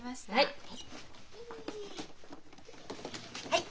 はい。